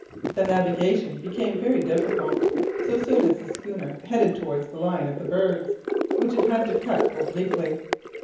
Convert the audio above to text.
The navigation became very difficult so soon as the schooner headed towards the line of the bergs, which it had to cut obliquely.